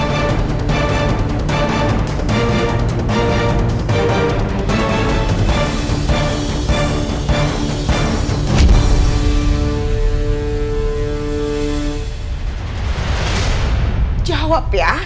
kamu kaget gak udah bahas makanan onions